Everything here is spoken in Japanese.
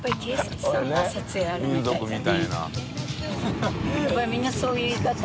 海譴民族みたいな。